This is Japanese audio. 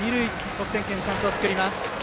得点圏のチャンスを作ります。